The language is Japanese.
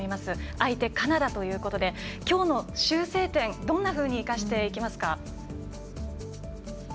相手カナダということできょうの修正点、どんなふうに生かしていきますか。